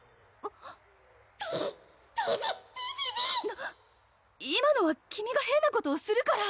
なっ今のは君が変なことをするから！